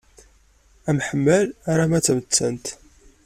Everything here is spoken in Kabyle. Amḥemmal arma d tamettant.